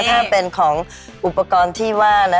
ถ้าเป็นของอุปกรณ์ที่ว่านะ